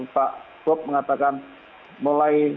pak bob mengatakan mulai